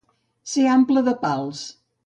Ser l'ample de Pals.